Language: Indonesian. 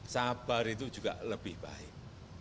sabar itu juga lebih baik